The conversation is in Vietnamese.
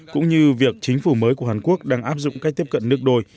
cũng như việc chính phủ mới của hàn quốc đang áp dụng cách tiếp cận nước đôi